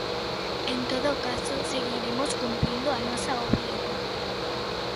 En todo caso, seguiremos cumprindo a nosa obriga.